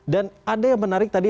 dan ada yang menarik tadi